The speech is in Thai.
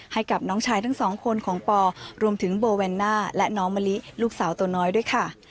ให้กับน้องชายทั้งสองคนของปอรวมถึงโบแวนน่าและน้องมะลิลูกสาวตัวน้อยด้วยค่ะ